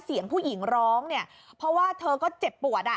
เสียงผู้หญิงร้องเนี่ยเพราะว่าเธอก็เจ็บปวดอ่ะ